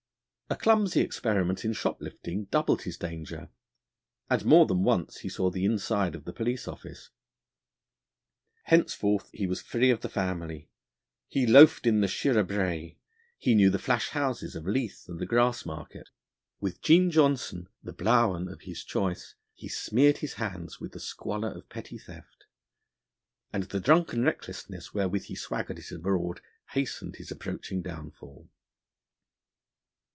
A clumsy experiment in shop lifting doubled his danger, and more than once he saw the inside of the police office. Henceforth, he was free of the family; he loafed in the Shirra Brae; he knew the flash houses of Leith and the Grassmarket. With Jean Johnston, the blowen of his choice, he smeared his hands with the squalor of petty theft, and the drunken recklessness wherewith he swaggered it abroad hastened his approaching downfall.